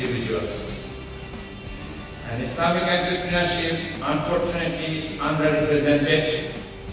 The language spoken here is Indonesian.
pembangunan perbankan syariah malah terdapat diperoleh oleh orang orang yang berpengaruh